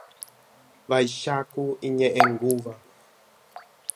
Vaicháku iñe'ẽngúva.